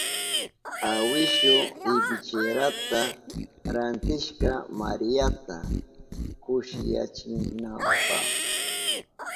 Awishu ibichirata rantishka Mariata kushillayachinanpa.